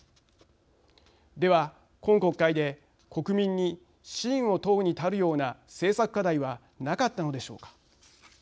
では今国会で国民に信を問うに足るような政策課題はなかったのでしょうか。